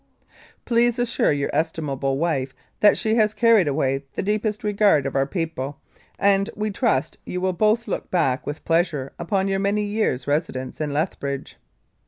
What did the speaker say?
"Please assure your estimable wife that she has carried away the deep regard of our people, and we trust you will both look back with pleasure upon your many years' residence in Lethbridge.